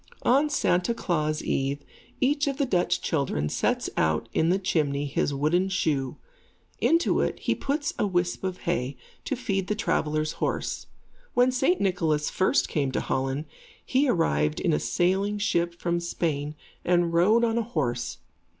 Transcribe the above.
On Santa Klaas eve, each of the Dutch children sets out in the chimney his wooden shoe. Into it, he puts a whisp of hay, to feed the traveller's horse. When St. Nicholas first came to Holland, he arrived in a sailing ship from Spain and rode on a horse.